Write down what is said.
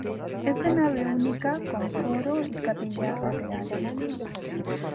Es de nave única con coro y capillas laterales.